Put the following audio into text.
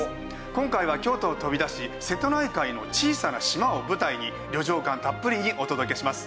今回は京都を飛び出し瀬戸内海の小さな島を舞台に旅情感たっぷりにお届けします。